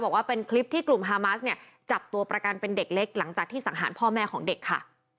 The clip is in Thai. บอกว่าเป็นคลิปที่กลุ่มฮามาสเนี่ยจับตัวประกันเป็นเด็กเล็กหลังจากที่สังหารพ่อแม่ของเด็กค่ะ